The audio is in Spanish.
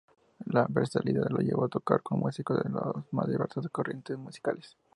Su versatilidad lo llevó a tocar con músicos de las más diversas corrientes musicales.